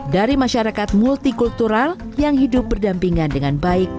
dari masyarakat multikultural yang hidup berdampingan dengan baik